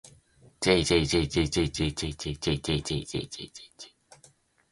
jjjjjjjjjjjjjjjjj